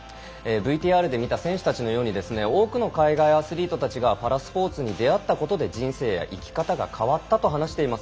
ＶＴＲで見た選手たちのように多くの海外アスリートたちがパラスポーツに出会ったことで人生や生き方が変わったと話しています。